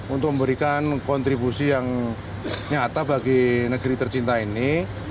untuk memberikan kontribusi yang nyata bagi negeri tercinta ini